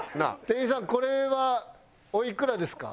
店員さんこれはおいくらですか？